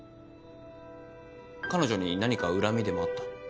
彼女に何か恨みでもあった？